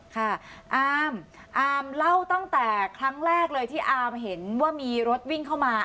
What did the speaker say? ค่ะอามอาร์มเล่าตั้งแต่ครั้งแรกเลยที่อาร์มเห็นว่ามีรถวิ่งเข้ามา